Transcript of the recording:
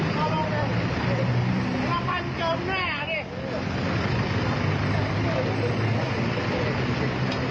น้ำมันเจอแม่ะดิ